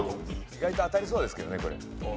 意外と当たりそうですけどねこれ。